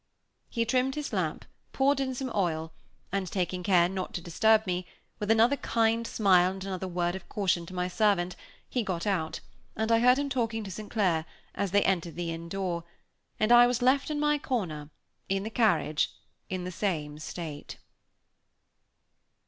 He trimmed his lamp, poured in some oil; and taking care not to disturb me, with another kind smile and another word of caution to my servant he got out, and I heard him talking to St. Clair, as they entered the inn door, and I was left in my corner, in the carriage, in the same state.